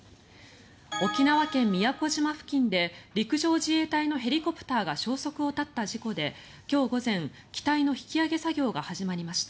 沖縄県・宮古島付近で陸上自衛隊のヘリコプターが消息を絶った事故で今日午前機体の引き揚げ作業が始まりました。